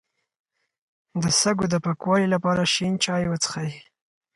د سږو د پاکوالي لپاره شین چای وڅښئ